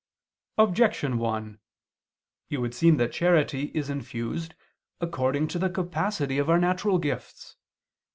Objection 1: It would seem that charity is infused according to the capacity of our natural gifts.